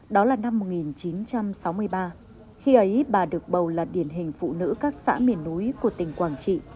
đó là năm một nghìn chín trăm sáu mươi ba khi ấy bà được bầu là điển hình phụ nữ các xã miền núi của tỉnh quảng trị